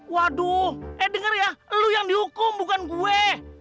waduh eh denger ya lu yang dihukum bukan gue